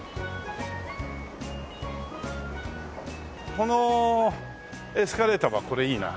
このエスカレーターはこれいいな。